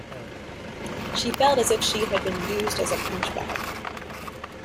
She felt as if she had been used as a punchbag